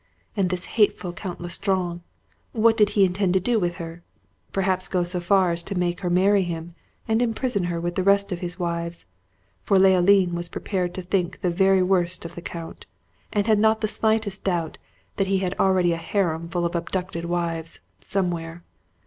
And this hateful Count L'Estrange, what did he intend to do with her? Perhaps go so far as to make her marry him, and imprison her with the rest of his wives; for Leoline was prepared to think the very worst of the count, and had not the slightest doubt that he already had a harem full of abducted wives, somewhere.